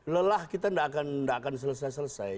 lelah kita gak akan selesai